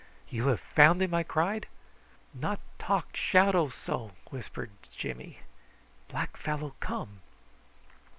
"You have found him?" I cried. "Not talk shouto so!" whispered Jimmy. "Black fellow come."